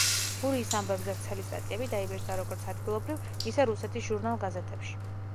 გურიის ამბებზე ვრცელი სტატიები დაიბეჭდა როგორც ადგილობრივ, ისე რუსეთის ჟურნალ-გაზეთებში.